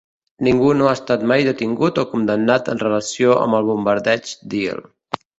Ningú no ha estat mai detingut o condemnat en relació amb el bombardeig Deal.